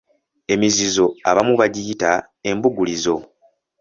Emizizo abamu bagiyita Embugulizo.